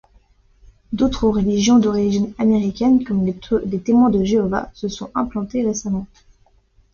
D'autres religions, d'origine américaine, comme les Témoins de Jéhovah, se sont implantées récemment.